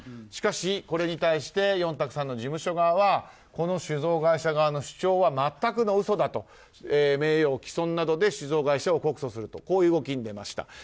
しかし、これに対してヨンタクさんの事務所側は酒造会社側の主張は全くの嘘だと名誉棄損などで酒造会社を告訴するとこういう動きに出ました。